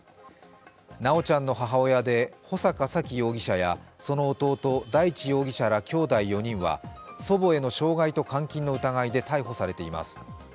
修ちゃんの母親で穂坂沙喜容疑者やその弟、大地容疑者らきょうだい４人は祖母への傷害と監禁の疑いで逮捕されています。